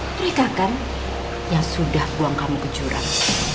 mereka kan yang sudah buang kamu ke jurang